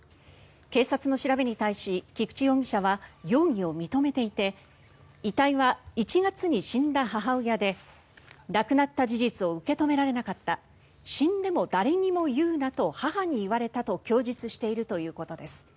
警察の調べに対し、菊地容疑者は容疑を認めていて遺体は１月に死んだ母親で亡くなった事実を受け止められなかった死んでも誰にも言うなと母に言われたと供述しているということです。